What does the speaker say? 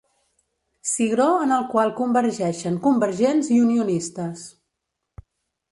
Cigró en el qual convergeixen convergents i unionistes.